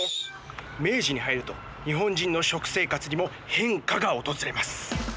明治に入ると日本人の食生活にも変化が訪れます。